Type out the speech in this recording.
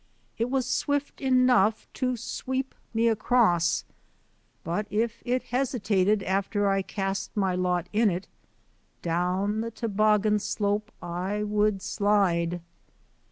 It was swift enough to sweep me across; but if it hesitated after I cast my lot in it, down the toboggan slope I would slide.